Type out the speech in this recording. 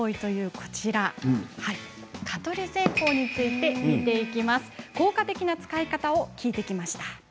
効果的な使い方を聞いてきました。